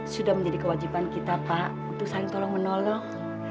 sudah menjadi kewajiban kita pak untuk saling tolong menolong